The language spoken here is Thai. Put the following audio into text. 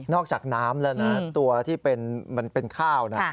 จากน้ำแล้วนะตัวที่เป็นข้าวนะ